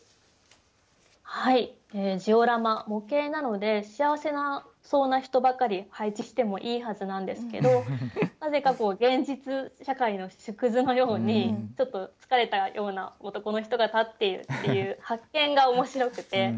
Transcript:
模型なので幸せそうな人ばかり配置してもいいはずなんですけどなぜかこう現実社会の縮図のようにちょっと疲れたような男の人が立っているっていう発見が面白くて。